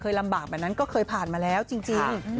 ลำบากแบบนั้นก็เคยผ่านมาแล้วจริง